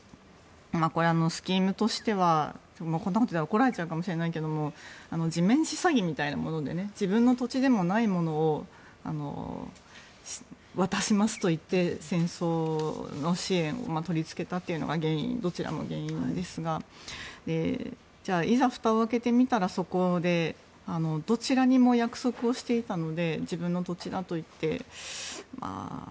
これはスキームとしてはこんなことを言ったら怒られちゃうかもしれないけど地面師詐欺みたいなもので自分の土地でもないものを渡しますと言って戦争の支援を取りつけたというのがどちらも原因ですがじゃあ、いざふたを開けてみたらそこでどちらにも約束をしていたので自分の土地だと言って。